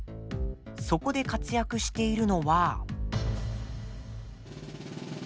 そこで活躍しているのは。